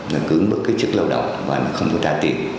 nó cứng bức cái chức lao động và nó không có trả tiền